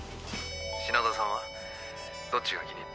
品田さんはどっちが気に入った？